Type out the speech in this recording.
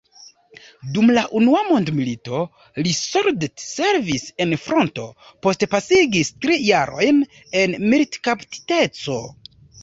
Dum la unua mondmilito li soldatservis en fronto, poste pasigis tri jarojn en militkaptiteco.